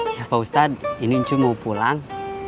ya pak ustadz ini icu mau pulang